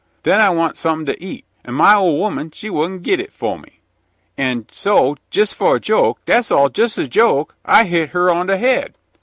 Then I want sum'in t' eat, an' my ol' 'ooman she wouldn' git it fo' me, an' so, jes' fo' a joke, das all jes' a joke, I hit 'er awn de haid.